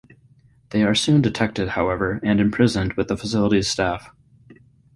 They are soon detected, however, and imprisoned with the facility's staff.